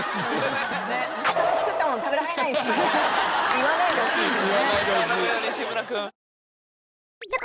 言わないでほしいですね。